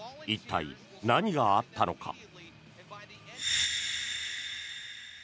一体、何があったのか。